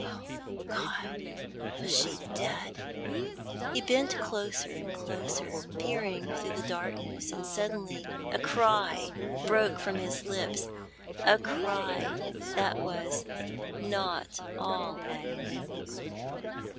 Oh, God ! was she dead ? He bent closer and closer, peering through the darkness, and suddenly a cry broke from his lips— a cry that was not all agony.